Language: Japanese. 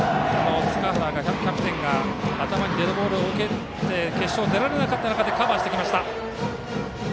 塚原キャプテンが頭にデッドボールを受けて決勝に出られなかった中でカバーしてきました。